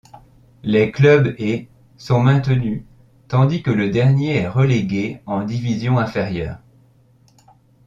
Les clubs et sont maintenus tandis que le dernier est relégué en division inférieure.